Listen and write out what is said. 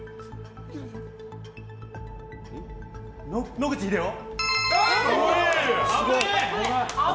野口英世！